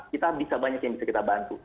kita bisa banyak yang bisa kita bantu